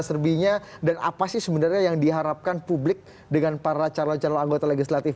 serbinya dan apa sih sebenarnya yang diharapkan publik dengan para calon calon anggota legislatif